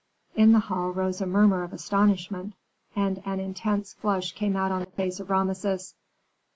In the hall rose a murmur of astonishment, and an intense flush came out on the face of Rameses.